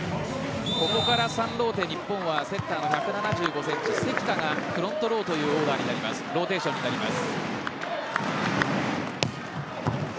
ここから３ローテ日本はセッターの１７５ｃｍ、関田がフロントローというローテーションになります。